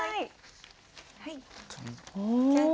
はい。